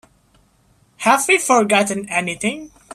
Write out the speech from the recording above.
Have we forgotten anything?